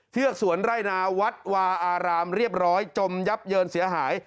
สวนไร่นาวัดวาอารามเรียบร้อยจมยับเยินเสียหาย